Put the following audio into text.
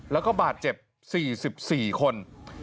แล้วก็บาดเจ็บ๔๔คน